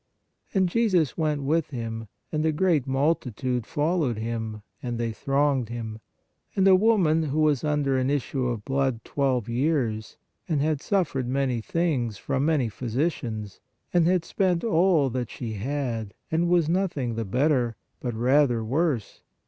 And Jesus went with him, and a great multitude followed Him, and they thronged Him. And a woman who was under an issue of blood twelve years, and had suffered many things from many physicians, and had spent all that she had, and was nothing the better, but rather worse.